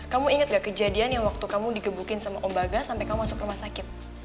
kamu inget gak kejadian yang waktu kamu di gebukin sama om bagas sampai kamu masuk rumah sakit